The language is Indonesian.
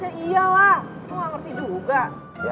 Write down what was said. ya iyalah lo gak ngerti juga